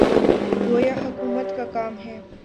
گویا حکومت کا کام ہے۔